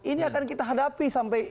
ini akan kita hadapi sampai